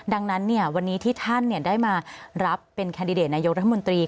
ดังนั้นวันนี้ที่ท่านได้มารับเป็นแคนดิเดตนายกรัฐมนตรี